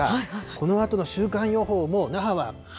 このあとの週間予報も那覇は。